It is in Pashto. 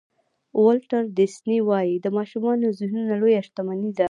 ولټر ډیسني وایي د ماشومانو ذهنونه لویه شتمني ده.